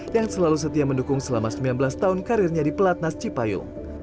yang selalu setia mendukung selama sembilan belas tahun karirnya di pelatnas cipayung